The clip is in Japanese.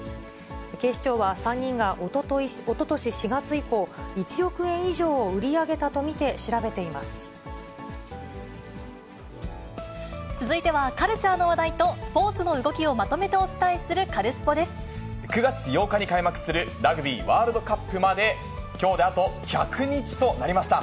警視庁は３人がおととし４月以降、１億円以上を売り上げたと見て調続いては、カルチャーの話題とスポーツの動きをまとめてお伝えするカルスポ９月８日に開幕するラグビーワールドカップまで、きょうであと１００日となりました。